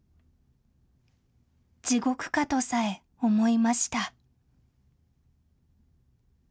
地獄かとさえ思いました